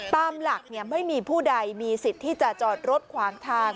ตามหลักไม่มีผู้ใดมีสิทธิ์ที่จะจอดรถขวางทาง